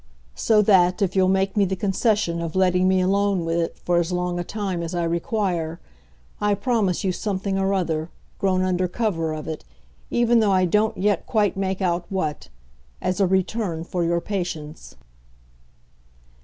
so that, if you'll make me the concession of letting me alone with it for as long a time as I require, I promise you something or other, grown under cover of it, even though I don't yet quite make out what, as a return for your patience."